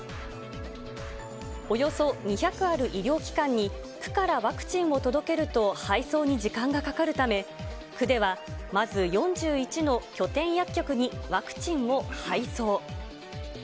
およそ２００ある医療機関に区からワクチンを届けると配送に時間がかかるため、区ではまず４１の拠点薬局にワクチンを配送。